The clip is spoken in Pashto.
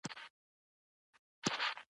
لاړې څه ګټه لري؟